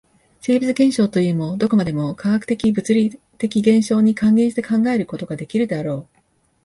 生物現象というも、どこまでも化学的物理的現象に還元して考えることができるであろう。